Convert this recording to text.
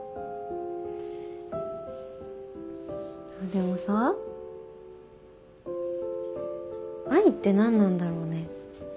でもさ愛って何なんだろうね。